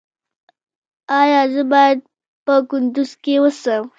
ایا زه باید په کندز کې اوسم؟